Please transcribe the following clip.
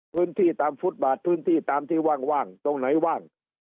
พื้นที่ตามฟุตบาทพื้นที่ตามที่ว่างตรงไหนว่าง